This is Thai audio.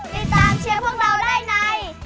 ติดตามเชียร์พวกเราได้ใน